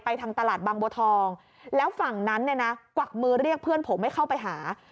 ทางตลาดบางบัวทองแล้วฝั่งนั้นเนี่ยนะกวักมือเรียกเพื่อนผมให้เข้าไปหา